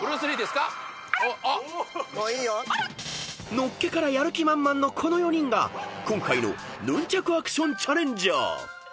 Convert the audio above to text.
［のっけからやる気満々のこの４人が今回のヌンチャクアクションチャレンジャー］